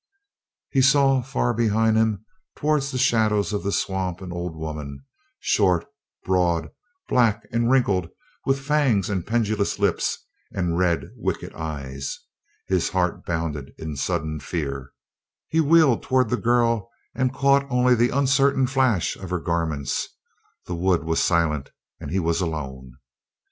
He saw far behind him, toward the shadows of the swamp, an old woman short, broad, black and wrinkled, with fangs and pendulous lips and red, wicked eyes. His heart bounded in sudden fear; he wheeled toward the girl, and caught only the uncertain flash of her garments the wood was silent, and he was alone.